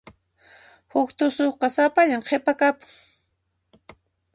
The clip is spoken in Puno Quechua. Huk tusuqqa sapallan qhipakapun.